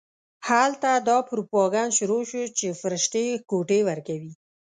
هلته دا پروپاګند شروع شو چې فرښتې ګوتې ورکوي.